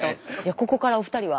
ここからお二人は？